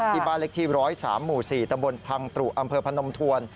บ้านเล็กที่๑๐๓หมู่๔ตำบลพังตรุอำเภอพนมทวน